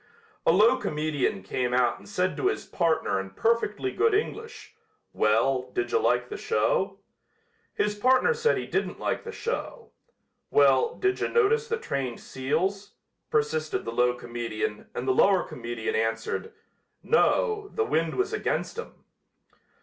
A low comedian came out and said to his partner in perfectly good English: "Well, didja like the show?" His partner said he didn't like the show. "Well, didja notice the trained seals?" persisted the low comedian and the lower comedian answered: "No, the wind was against 'em."